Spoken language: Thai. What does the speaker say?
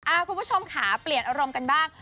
คุณผู้ชมค่ะเปลี่ยนอารมณ์กันบ้าง